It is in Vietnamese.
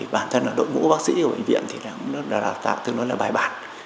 bản thân đội ngũ bác sĩ của bệnh viện cũng đã tạo tương đối là bài bản